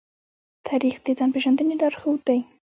تاریخ د ځان پېژندنې لارښود دی.